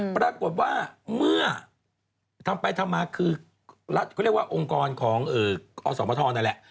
ปรากฏว่าเมื่อทำไปทำมาคือรัฐเขาเรียกว่าองค์กรของอสมทรนั่นแหละ